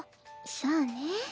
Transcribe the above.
そうね。